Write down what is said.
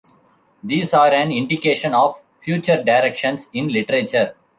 These are an indication of future directions in literature.